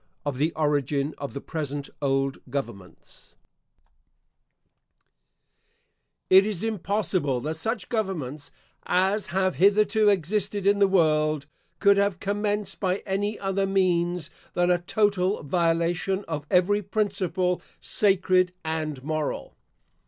OF THE ORIGIN OF THE PRESENT OLD GOVERNMENTS It is impossible that such governments as have hitherto existed in the world, could have commenced by any other means than a total violation of every principle sacred and moral.